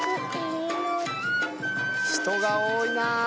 人が多いな。